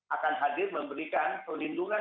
akan hadir memberikan perlindungan